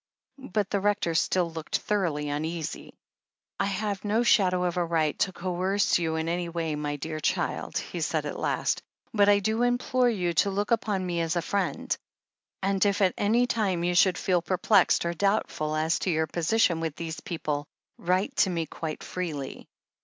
But the Rector still looked thoroughly imeasy. "I have no shadow of a right to coerce you in any way, my dear child," he said at last. "But I do implore you to look upon me as a friend, and if at any time you should feel perplexed or doubtful, as to your position with these people, write to me quite freely.